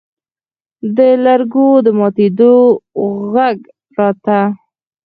د لرګو د ماتېدو غږ راته.